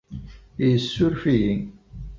Yessuruf-iyi.